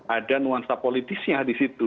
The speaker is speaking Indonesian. ada nuansa politisnya di situ